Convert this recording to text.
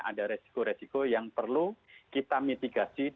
ada resiko resiko yang perlu kita mitigasi